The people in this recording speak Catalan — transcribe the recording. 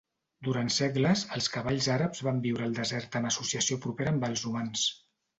Durant segles, els cavalls àrabs van viure al desert en associació propera amb els humans.